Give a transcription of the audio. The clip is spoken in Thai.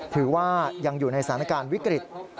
ถือว่ายังอยู่ในสถานการณ์วิกฤต